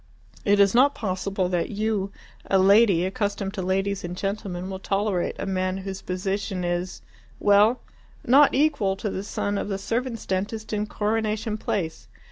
It is not possible that you, a lady, accustomed to ladies and gentlemen, will tolerate a man whose position is well, not equal to the son of the servants' dentist in Coronation Place.